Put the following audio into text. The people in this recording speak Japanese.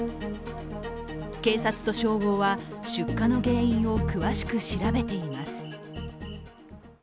警察と消防は出火の原因を詳しく調べています。